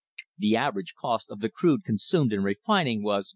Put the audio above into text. "The average cost of the crude consumed in refining was